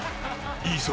いいぞ］